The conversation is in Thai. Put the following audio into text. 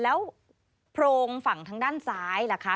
แล้วโพรงฝั่งทางด้านซ้ายล่ะคะ